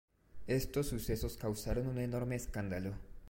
Estos sucesos causaron un enorme escándalo.